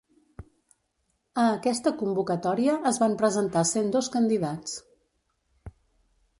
A aquesta convocatòria es van presentar cent dos candidats.